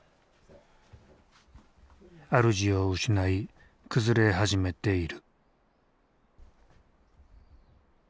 あるじを失い崩れ始めている。